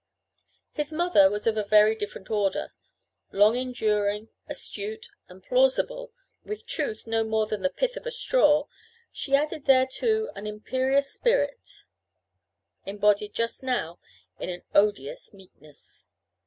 His mother was of a very different order. Long enduring, astute, and plausible, with truth no more than the pith of a straw, she added thereto an imperious spirit, embodied just now in an odious meekness.